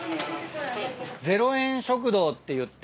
０円食堂っていって。